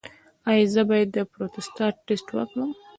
ایا زه باید د پروستات ټسټ وکړم؟